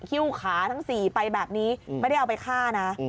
ฮิ้วขาทั้ง๔ไปแบบนี้ไม่ได้เอาไปฆ่านะ